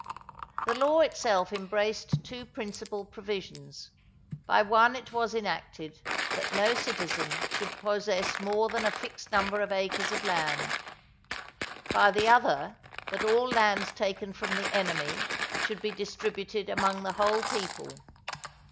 The law itself embraced two principal provisions. By one it was enacted that no citizen should possess more than a fixed number of acres of land; by the other that all lands taken from the enemy should be distributed among the whole people.